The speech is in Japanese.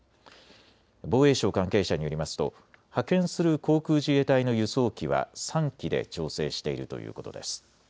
防衛省関係者によりますと派遣する航空自衛隊の輸送機は３機で調整しているということです。